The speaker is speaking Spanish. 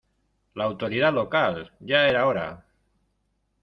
La autoridad local. Ya era hora .